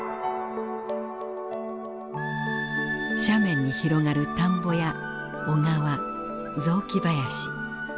斜面に広がる田んぼや小川雑木林。